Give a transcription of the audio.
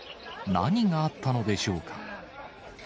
何があったのでしょうか。